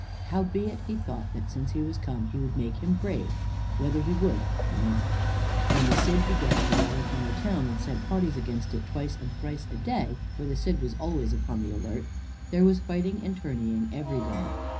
Howbeit he thought that since he was come, he would make him brave, whether he would or not. When the Cid began to war upon the town, and sent parties against it twice and thrice a day, for the Cid was alway upon the alert, there was fighting and tourneying every day.